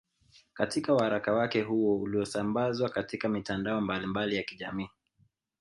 Katika waraka wake huo uliosambazwa katika mitandao mbalimbali ya kijamii